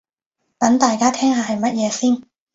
等大家聽下係乜嘢先